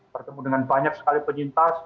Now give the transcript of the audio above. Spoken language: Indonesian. bertemu dengan banyak sekali penyintas